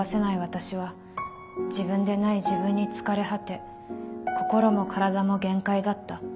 私は自分でない自分に疲れ果て心も体も限界だった」。